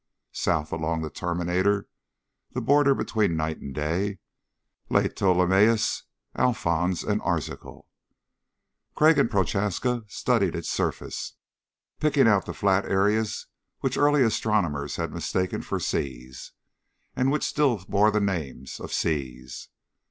South along the terminator, the border between night and day, lay Ptolemaeus, Alphons, and Arzachel. Crag and Prochaska studied its surface, picking out the flat areas which early astronomers had mistaken for seas and which still bore the names of seas.